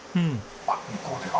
向こうでは？